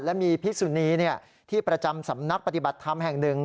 และมีพิสุนีที่ประจำสำนักปฏิบัติธรรมแห่งหนึ่ง